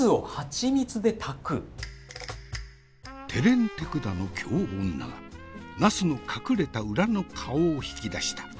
手練手管の京女がナスの隠れた裏の顔を引き出した。